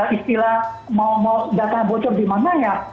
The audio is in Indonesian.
istilah mau data bocor di mana ya